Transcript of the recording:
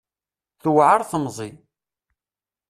Tewɛer temẓi.